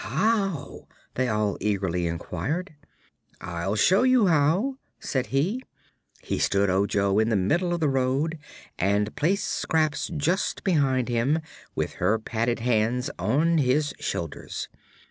"How?" they all eagerly inquired. "I'll show you how," said he. He stood Ojo in the middle of the road and placed Scraps just behind him, with her padded hands on his shoulders.